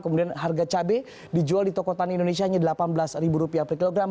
kemudian harga cabai dijual di toko tani indonesia hanya rp delapan belas per kilogram